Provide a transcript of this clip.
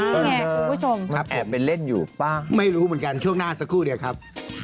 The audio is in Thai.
นี่ไงคุณผู้ชมครับไม่รู้เหมือนกันช่วงหน้าสักครู่เดียวครับ